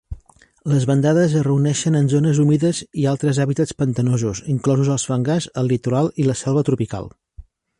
Les bandades es reuneixen en zones humides i altres hàbitats pantanosos, inclosos els fangars, el litoral i la selva tropical.